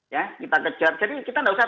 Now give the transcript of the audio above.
ya kita kejar jadi kita nggak usah